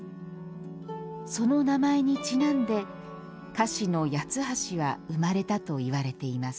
その名前にちなんで菓子の八ッ橋は生まれたといわれています